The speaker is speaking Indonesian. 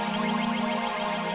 sampai jumpa di video selanjutnya